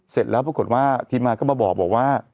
เสร็จแล้วปรากฏว่าทีมงานก็มาบอกว่า